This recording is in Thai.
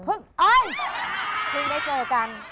พึ่งได้เจอกัน